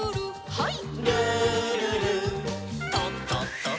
はい。